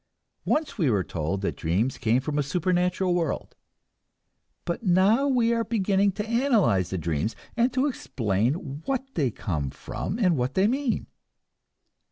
Once we were told that dreams came from a supernatural world; but now we are beginning to analyze dreams, and to explain what they come from and what they mean.